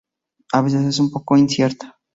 A veces es un poco incierta.